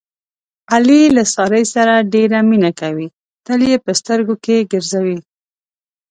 علي له سارې سره ډېره مینه کوي، تل یې په سترګو کې ګرځوي.